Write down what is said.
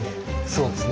そうですね